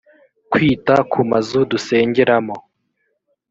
kwita ku mazu dusengeramo